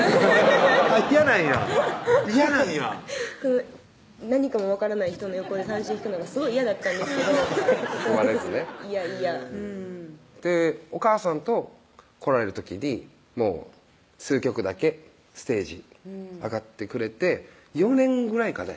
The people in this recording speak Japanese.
嫌なんや嫌なんや何かも分からない人の横で三線弾くのがすごい嫌だったんですけどしょうがないですねいやいやおかあさんと来られる時にもう数曲だけステージ上がってくれて４年ぐらいかね